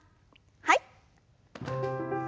はい。